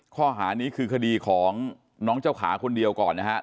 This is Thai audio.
ข้อหานี้คือคดีของน้องเจ้าขาคนเดียวก่อนนะฮะ